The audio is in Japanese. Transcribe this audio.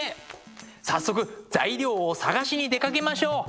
早速材料を探しに出かけましょう。